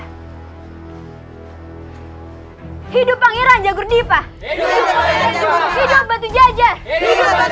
hidup pangeran jagur dipah hidup batu jajah